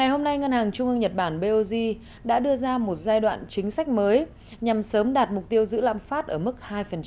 hôm nay ngân hàng trung ương nhật bản bog đã đưa ra một giai đoạn chính sách mới nhằm sớm đạt mục tiêu giữ lạm phát ở mức hai